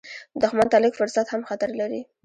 دښمن ته لږ فرصت هم خطر لري